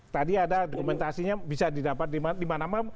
tadi ada dokumentasinya bisa didapat dimana mana